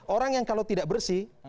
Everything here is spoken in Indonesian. orang yang kalau tidak bersih